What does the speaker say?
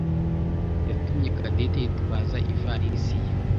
yatumye Cadette yitwaza ivalisi ye.